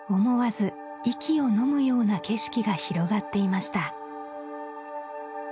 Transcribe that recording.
思わず息をのむような景色が広がっていました